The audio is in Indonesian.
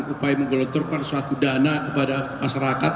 upaya menggelontorkan suatu dana kepada masyarakat